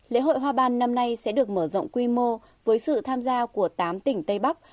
lễ hội hoa ban năm nay sẽ được mở rộng quy mô với sự tham gia của tám tỉnh tây bắc